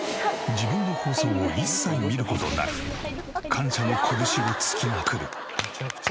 自分の放送を一切見る事なく感謝の拳を突きまくる。